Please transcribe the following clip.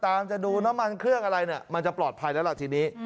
จะดูน้ำมันเครื่องอะไรเนี่ยมันจะปลอดภัยแล้วล่ะทีนี้